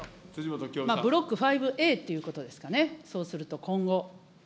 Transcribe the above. ブロック５Ａということですかね、そうすると今後。